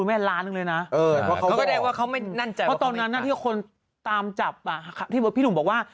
เพราะตอนนั้นที่คนตามจับที่พี่หนุ่มบอกว่า